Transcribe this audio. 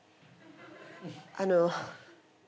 あの。